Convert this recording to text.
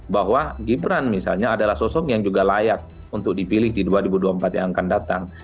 bahwa gibran misalnya adalah sosok yang juga layak untuk dipilih di dua ribu dua puluh empat yang akan datang